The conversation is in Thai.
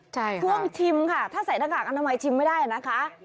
ช่วงชิมค่ะถ้าใส่หน้ากากอนามัยชิมไม่ได้นะคะ